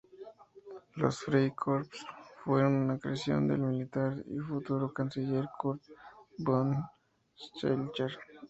Los "Freikorps" fueron una creación del militar y futuro canciller Kurt von Schleicher.